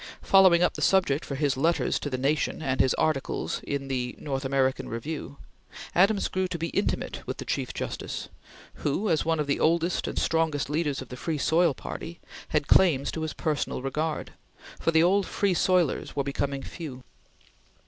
Following up the subject for his letters to the Nation and his articles in the North American Review, Adams grew to be intimate with the Chief Justice, who, as one of the oldest and strongest leaders of the Free Soil Party, had claims to his personal regard; for the old Free Soilers were becoming few.